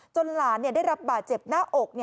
หลานได้รับบาดเจ็บหน้าอก